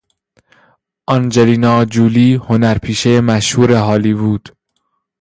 آنجلینا جولی هنرپیشه مشهور هالیوود